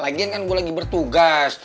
lagian kan gue lagi bertugas